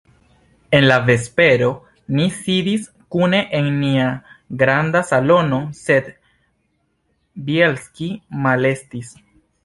En la vespero ni sidis kune en nia granda salono, sed Bjelski malestis.